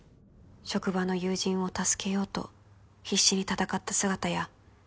「職場の友人を助けようと必死に戦った姿や」